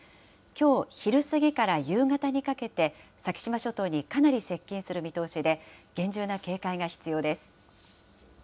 きょう昼過ぎから夕方にかけて、先島諸島にかなり接近する見通しで、厳重な警戒が必要です。